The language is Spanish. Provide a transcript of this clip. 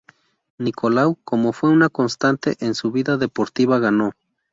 Nicolau, como fue una constante en su vida deportiva, ganó.